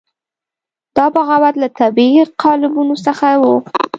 دا بغاوت له طبیعي قالبونو څخه وو.